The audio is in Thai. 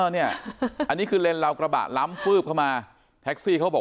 อันนี้คือเลนเรากระบะล้ำฟืบเข้ามาแท็กซี่เขาบอก